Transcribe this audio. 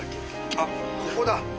あっここだ。